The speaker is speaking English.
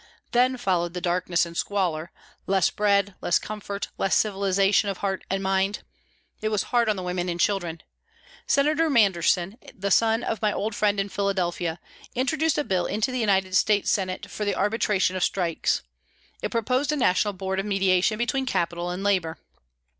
Then followed the darkness and squalor less bread, less comfort, less civilisation of heart and mind. It was hard on the women and children. Senator Manderson, the son of my old friend in Philadelphia, introduced a bill into the United States Senate for the arbitration of strikes. It proposed a national board of mediation between capital and labour.